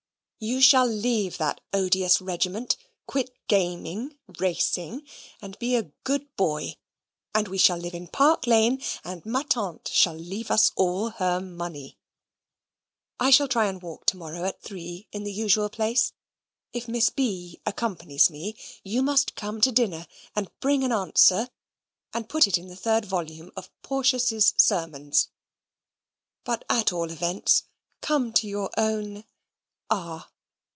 You shall leave that odious regiment: quit gaming, racing, and BE A GOOD BOY; and we shall all live in Park Lane, and ma tante shall leave us all her money. I shall try and walk to morrow at 3 in the usual place. If Miss B. accompanies me, you must come to dinner, and bring an answer, and put it in the third volume of Porteus's Sermons. But, at all events, come to your own R.